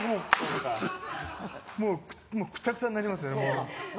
もうくたくたになりますよ。